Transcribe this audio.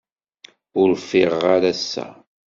Ur ffiɣeɣ ara ass-a.